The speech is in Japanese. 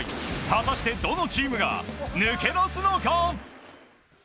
果たしてどのチームが抜け出すのか。